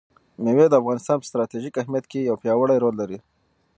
مېوې د افغانستان په ستراتیژیک اهمیت کې یو پیاوړی رول لري.